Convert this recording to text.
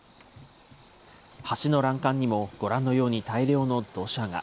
橋の欄干にもご覧のように大量の土砂が。